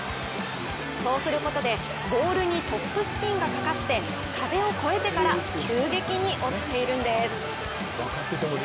そうすることで、ボールにトップスピンがかかって、壁を越えてから急激に落ちているんです。